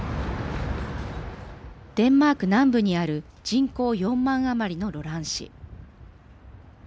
デンマーク南部にある人口４万余りのロラン市。